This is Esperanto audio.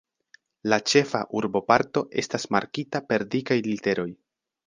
La ĉefa urboparto estas markita per dikaj literoj.